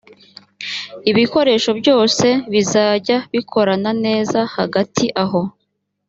ibikoresho byose bizajya bikorana neza hagati aho